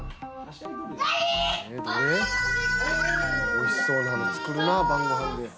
おいしそうなの作るな晩ご飯で。